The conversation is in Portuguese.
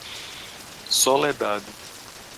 Soledade